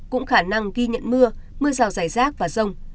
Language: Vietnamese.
cũng khả năng ghi nhận mưa mưa rào rải rác và rông